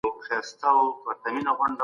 راځئ چي د پوهي په رڼا کي ژوند وکړو.